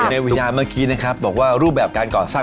ในวิญญาณเมื่อกี้นะครับบอกว่ารูปแบบการก่อสร้าง